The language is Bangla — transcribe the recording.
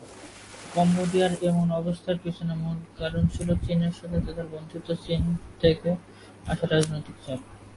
কম্বোডিয়ার এমন অবস্থানের পিছনে মূল কারণ ছিল চীনের সাথে তাদের বন্ধুত্ব ও চীন থেকে আসা রাজনৈতিক চাপ।